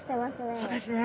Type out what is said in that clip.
そうですね。